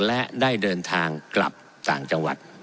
และได้เดินทางกลับต่างจังหวัด